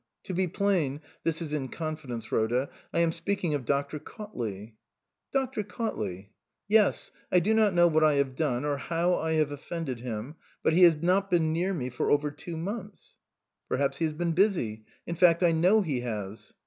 To be plain this is in confidence, Rhoda I am speaking of Dr. Cautley." "Dr. Cautley?" "Yes. I do not know what I have done, or how I have offended him, but he has not been near me for over two months." " Perhaps he has been busy in fact, I know he has."